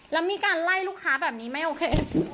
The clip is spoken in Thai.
แล้วมีการไล่ลูกค้าแบบนี้ไม่โอเค